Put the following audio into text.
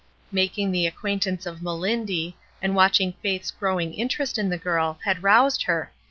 Making the acquaintance of "Melindy*' and watchmg Faith's growing in terest in the girl had roused her.